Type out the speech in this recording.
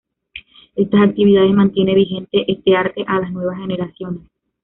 Estas actividades mantienen vigente este arte a las nuevas generaciones.